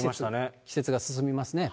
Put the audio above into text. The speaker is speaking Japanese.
季節が進みますね。